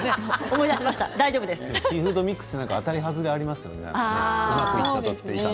シーフードミックスは当たり外れがありますよね。